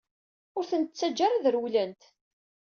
Ur tent-ttaǧǧa ara ad rewlent!